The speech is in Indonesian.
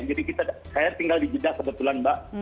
jadi saya tinggal di jeddah kebetulan mbak